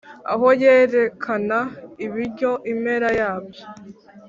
aho yerekana ibiryo impera yabyo